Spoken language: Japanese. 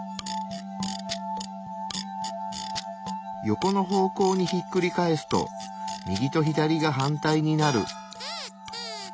ヨコの方向にひっくり返すと右と左が反対になる。